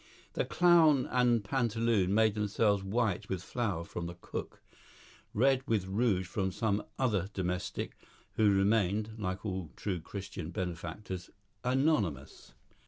The clown and pantaloon made themselves white with flour from the cook, and red with rouge from some other domestic, who remained (like all true Christian benefactors) anonymous.